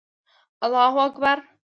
الله اکبر